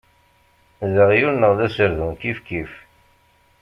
D aɣyul neɣ d aserdun, kifkif.